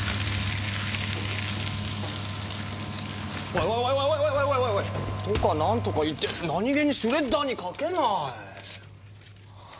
おいおいおい！とか何とか言って何気にシュレッダーにかけない！